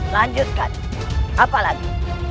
lanjutkan apa lagi